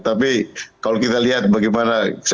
tapi kalau kita lihat bagaimana